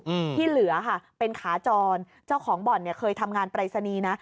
อืมที่เหลือค่ะเป็นขาจรเจ้าของบ่อนเนี้ยเคยทำงานปรายศนีย์นะ